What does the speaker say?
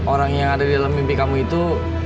orang yang ada di dalam mimpi kamu itu